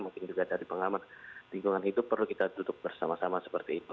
mungkin juga dari pengaman lingkungan itu perlu kita tutup bersama sama seperti itu